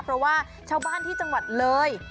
เพราะว่าชาวบ้านที่จังหวัดเลย